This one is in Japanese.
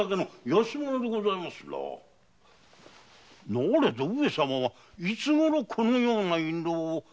なれど上様はいつごろこのような印籠を大岡殿に？